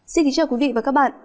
xin kính chào quý vị và các bạn